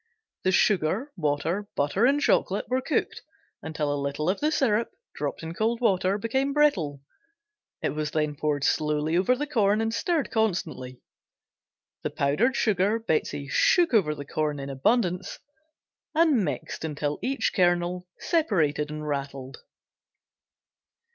The sugar, water, butter and chocolate were cooked until a little of the syrup, dropped in cold water, became brittle. It was then poured slowly over the corn and stirred constantly. The powdered sugar Betsey shook over the corn in abundance and mixed until each kernel separated and rattled.